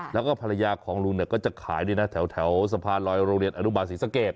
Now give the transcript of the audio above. แล้วก็ภรรยาของลุงเนี่ยก็จะขายเนี่ยแถวสะพานรอยโรงเรียนอนุบาลศรีสะเกียจ